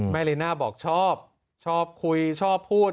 ลีน่าบอกชอบชอบคุยชอบพูด